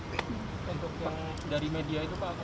dari media itu pak